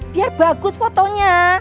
biar bagus fotonya